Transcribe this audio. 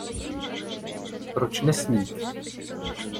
Proč nesnít?